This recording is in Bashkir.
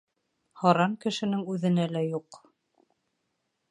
Һаран кешенең үҙенә лә юҡ